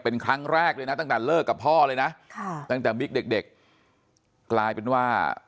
เป็นครั้งแรกเลยนะตั้งแต่เลิกกับพ่อเลยนะค่ะตั้งแต่บิ๊กเด็กกลายเป็นว่า